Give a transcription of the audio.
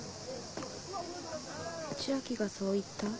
千昭がそう言った？